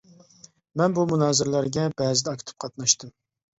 مەن بۇ مۇنازىرىلەرگە بەزىدە ئاكتىپ قاتناشتىم.